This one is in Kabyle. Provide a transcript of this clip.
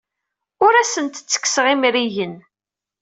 Ur asent-ttekkseɣ imrigen.